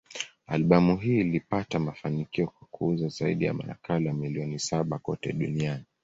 Albamu hii ilipata mafanikio kwa kuuza zaidi ya nakala milioni saba kote duniani.